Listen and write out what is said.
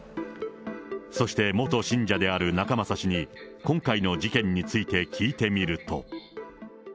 そして元信者である仲正氏に、今回の事件について聞いてみると。